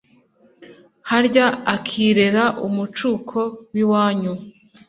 harya akirera umucuko w’iwanyu,